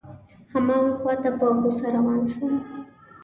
هماغه خواته په غوسه روان شوم.